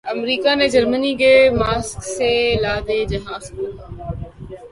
امریکا نے جرمنی کے ماسک سے لدے جہاز کو